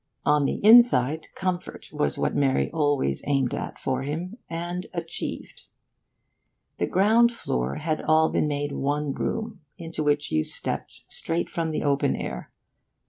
On the inside, comfort was what Mary always aimed at for him, and achieved. The ground floor had all been made one room, into which you stepped straight from the open air.